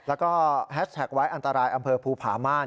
แล้วก็แฮชแท็กไว้อันตรายอำเภอภูผาม่าน